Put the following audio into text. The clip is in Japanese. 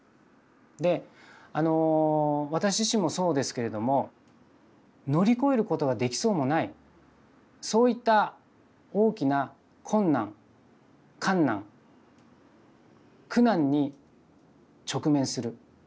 で私自身もそうですけれども乗り越えることができそうもないそういった大きな困難かん難苦難に直面する。